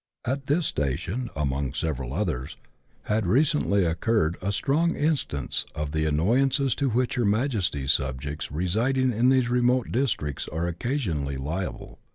At this station, among several others, had recently occurred a strong instance of the annoyances to which her Majesty's subjects residing in these remote districts are occasionally liable.